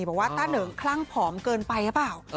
บอกว่าต้านเอ๋งคลั่งผอมเกินไปหรือเปล่า